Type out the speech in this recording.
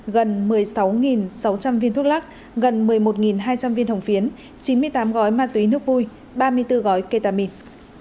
gần một mươi sáu sáu trăm linh viên thuốc lắc gần một mươi một hai trăm linh viên hồng phiến chín mươi tám gói ma túy nước vui ba mươi bốn gói ketamine